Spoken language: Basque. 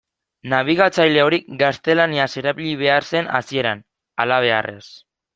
Nabigatzaile hori gaztelaniaz erabili behar zen hasieran, halabeharrez.